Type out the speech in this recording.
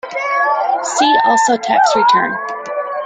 See also Tax return.